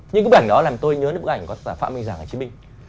những bức ảnh đó làm tôi nhớ bức ảnh phạm minh giang hà chí minh